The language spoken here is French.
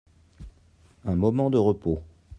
Un moment de repos.